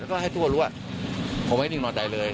แล้วก็ให้ทั่วรู้ว่าผมไม่นิ่งนอนใจเลย